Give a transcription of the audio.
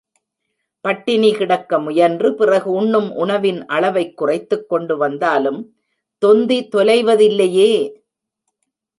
பட்டினி கிடக்க முயன்று, பிறகு உண்ணும் உணவின் அளவைக் குறைத்துக் கொண்டு வந்தாலும், தொந்தி தொலைவது இல்லையே?